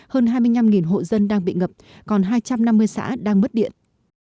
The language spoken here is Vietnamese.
hơn hai mươi năm hộ dân đang bị ngập còn hai trăm năm mươi xã đang mất điện